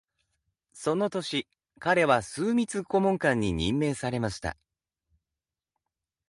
その年、彼は枢密顧問官に任命されました。